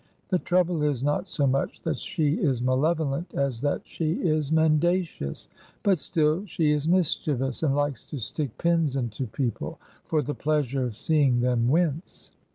The trouble is not so much that she is malevolent as that she is men dacious, but still she is mischievous, and likes to stick pins into people, for the pleasure of seeing them wince.